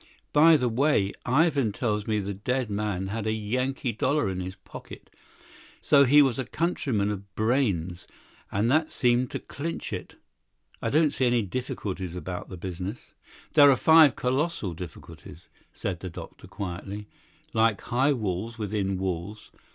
By the way, Ivan tells me the dead man had a Yankee dollar in his pocket. So he was a countryman of Brayne's, and that seems to clinch it. I don't see any difficulties about the business." "There are five colossal difficulties," said the doctor quietly; "like high walls within walls.